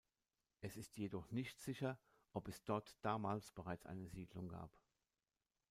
Es ist jedoch nicht sicher, ob es dort damals bereits eine Siedlung gab.